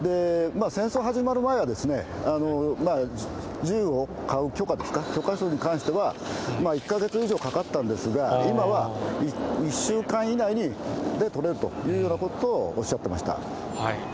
戦争始まる前は、銃を買う許可ですか、許可証に関しては、１か月以上かかったんですが、今は１週間以内で取れるというようなことをおっしゃってました。